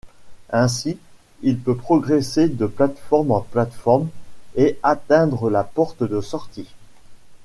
Ainsi, il peut progresser de plate-forme en plate-forme et atteindre la porte de sortie.